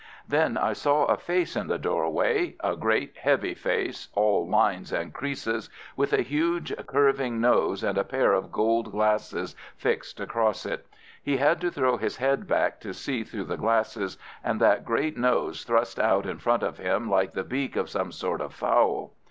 Then I saw a face in the doorway, a great, heavy face, all lines and creases, with a huge curving nose, and a pair of gold glasses fixed across it. He had to throw his head back to see through the glasses, and that great nose thrust out in front of him like the beak of some sort of fowl.